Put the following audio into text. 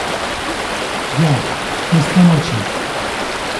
ya. esta noche.